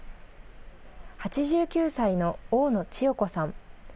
８９歳の大野千代子さん。